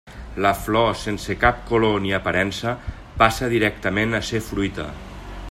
La flor, sense cap color ni aparença, passa directament a ser fruita.